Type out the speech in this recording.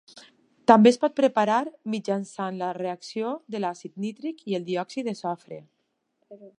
També es pot preparar mitjançant la reacció de l'àcid nítric i el diòxid de sofre.